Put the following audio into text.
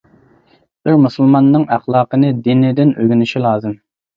بىر مۇسۇلماننىڭ ئەخلاقنى دىنىدىن ئۆگىنىشى لازىم.